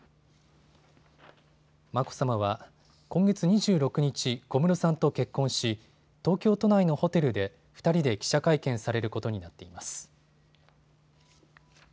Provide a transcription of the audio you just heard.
眞子さまは今月２６日、小室さんと結婚し東京都内のホテルで２人で記者会見されることになっています。